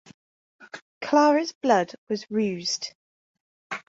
Clara’s blood was roused.